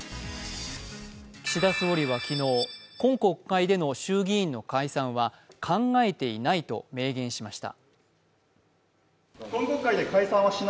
岸田総理は昨日、今国会での衆議院の解散は考えていないと明言しました。